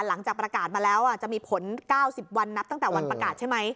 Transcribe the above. หลังจากประกาศมาแล้วจะมีผล๙๐วันนับตั้งแต่วันประกาศใช่ไหม